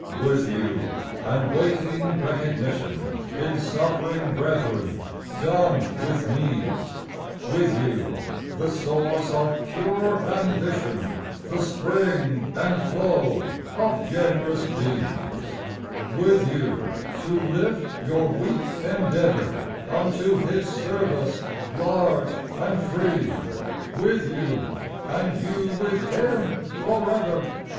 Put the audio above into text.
With you, and waiting recognition In suffering brethren, dumb with needs; With you, the source of pure ambition, The spring and flow of generous deeds ; (44) "WITH YOU AL WAY" 45 With you, to lift your weak endeavor Unto His service, large and free ; With you, and you with Him forever